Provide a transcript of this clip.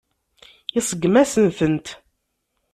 Iseggem-asen-tent.